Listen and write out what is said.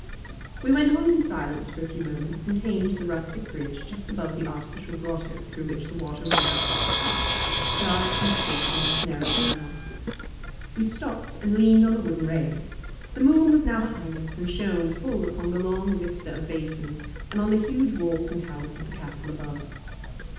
We went on in silence for a few moments, and came to the rustic bridge just above the artificial grotto through which the water ran out into the park, dark and swift in its narrow channel. We stopped, and leaned on the wooden rail. The moon was now behind us, and shone full upon the long vista of basins and on the huge walls and towers of the Castle above.